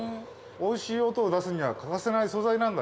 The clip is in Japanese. おいしい音を出すには欠かせない素材なんだよ。